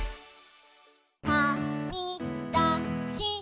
「はみだした」